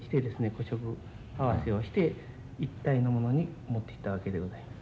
古色合わせをして一体のものに持っていったわけでございます。